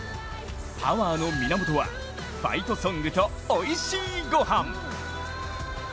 パワーの源は、ファイトソングとおいしいご飯。